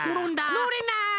のれない！